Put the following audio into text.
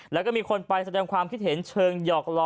แล้วก็มีคนไปแสดงความคิดเห็นเชิงหยอกล้อ